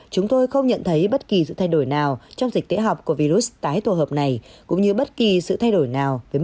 cũng như nhóm đối tượng cần bảo vệ